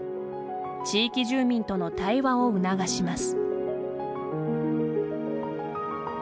地域住民との対話を促します。